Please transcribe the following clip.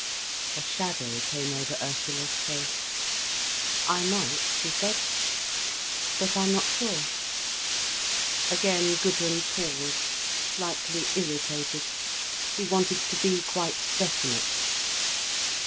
A shadow came over Ursula's face. "I might," she said. "But I'm not sure." Again Gudrun paused, slightly irritated. She wanted to be quite definite.